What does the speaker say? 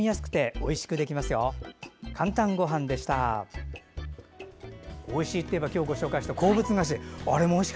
おいしいといえば今日、ご紹介した鉱物菓子。